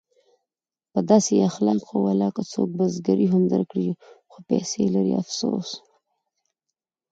په داسې اخلاقو ولاکه څوک بزګري هم درکړي خو پیسې لري افسوس!